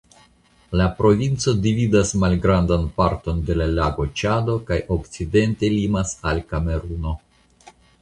La provinco dividas malgrandan parton de la lago Ĉado kaj okcidente limas al Kameruno.